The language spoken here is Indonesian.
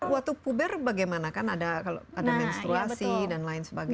waktu puber bagaimana kan ada menstruasi dan lain sebagainya